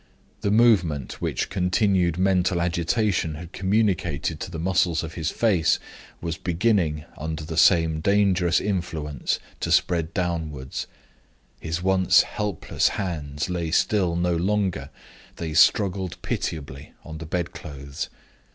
The movement which continued mental agitation had communicated to the muscles of his face was beginning, under the same dangerous influence, to spread downward. His once helpless hands lay still no longer; they struggled pitiably on the bedclothes.